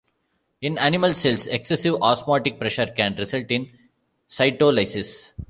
In animal cells excessive osmotic pressure can result in cytolysis.